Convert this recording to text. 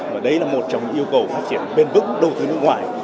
và đấy là một trong những yêu cầu phát triển bền vững đầu tư nước ngoài